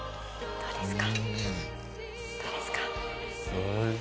どうですか？